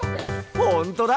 ほんとだ。